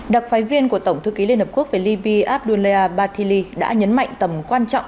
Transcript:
đặc phái viên của tổng thư ký liên hợp quốc về libya abdullea bathili đã nhấn mạnh tầm quan trọng